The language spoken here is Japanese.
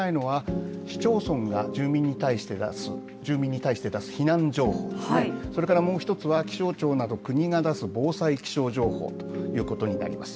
ここで注目していただきたいのは市町村が住民に対して出す避難情報、それからもう一つは気象庁など国が出す防災気象情報となります。